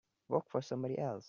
Work for somebody else.